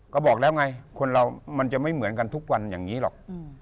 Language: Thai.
ก็บอกแล้วไงคนเรามันจะไม่เหมือนกันทุกวันอย่างนี้หรอก